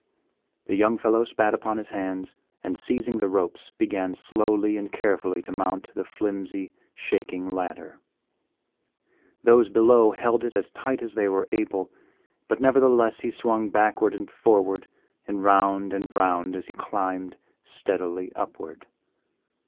The young fellow spat upon his hands and, seizing the ropes, began slowly and carefully to mount the flimsy, shaking ladder. Those below held it as tight as they were able, but nevertheless he swung backward and forward and round and round as he climbed steadily upward.